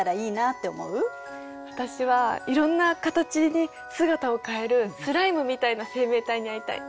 私はいろんな形に姿を変えるスライムみたいな生命体に会いたい。